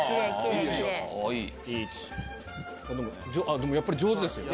でもやっぱり上手ですよね。